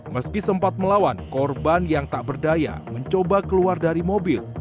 meski sempat melawan korban yang tak berdaya mencoba keluar dari mobil